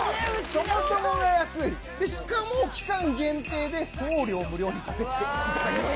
・そもそもが安い・しかも期間限定で送料無料にさせていただいてます。